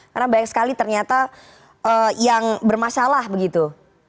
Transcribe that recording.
karena banyak sekali ternyata yang bermasalah begitu